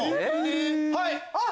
はい！